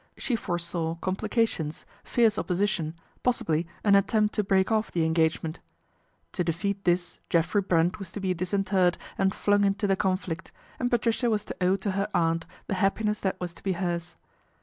She foresaw complications, fierce opposition, possibly an attempt to break off the engagement. To defeat this Geoffrey Brent was to be disinterred and flung into the conflict, and Patricia was to owe to her aunt the happiness that was to be hers.